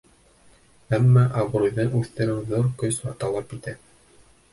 Әммә абруйҙы үҫтереү ҙур көс талап итә.